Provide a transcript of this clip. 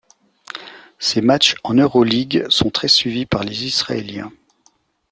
Ses matchs en Euroleague sont très suivis par les Israéliens.